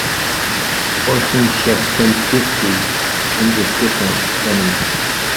Korsun-Shevchenkivskyi is twinned with Gifhorn, Germany.